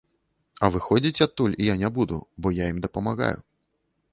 А выходзіць адтуль я не буду, бо я ім дапамагаю.